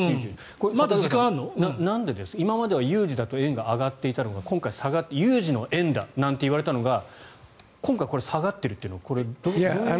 今までは有事は円が上がっていたのに今回下がって有事の円だなんて言われたのが今回は下がってるってのはどういう？